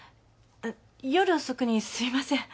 夜遅くにすいません。